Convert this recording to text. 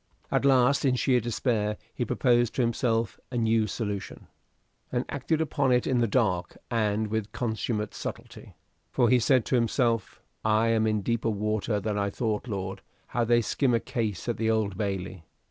At last, in sheer despair, he proposed to himself a new solution, and acted upon it in the dark and with consummate subtlety; for he said to himself: "I am in deeper water than I thought Lord, how they skim a case at the Old Bailey!